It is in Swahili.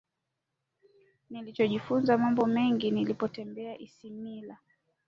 nilijifunza mambo mengi nilipotembelea isimila